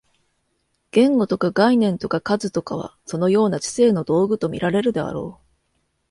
言語とか概念とか数とかは、そのような知性の道具と見られるであろう。